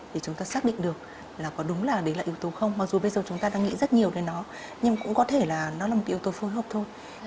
thì chúng ta xác định được là có đúng là đấy là yếu tố không mặc dù bây giờ chúng ta đang nghĩ rất nhiều đến nó nhưng cũng có thể là nó là một yếu tố phối hợp thôi